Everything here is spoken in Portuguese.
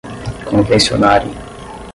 convencionarem